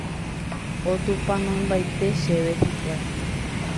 Otupanoimbaite chéve hikuái.